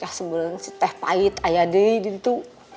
kas sebelen si teh pahit ayah adik itu